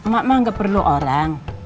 mak mak nggak perlu orang